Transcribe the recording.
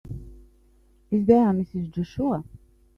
Is there a Mrs. Joshua?